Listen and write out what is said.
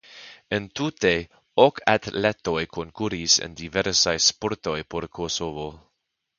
Entute ok atletoj konkuris en diversaj sportoj por Kosovo.